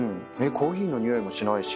コーヒーの匂いもしないし。